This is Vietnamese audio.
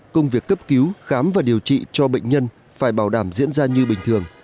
công việc cấp cứu khám và điều trị cho bệnh nhân phải bảo đảm diễn ra như bình thường